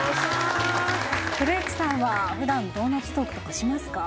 古市さんは普段ドーナツトークとかしますか？